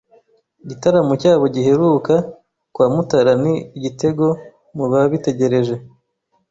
Igitaramo cyabo giheruka kwaMutara Ni igitego mu babitegereje